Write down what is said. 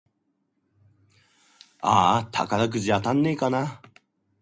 あーあ、宝くじ当たんねぇかな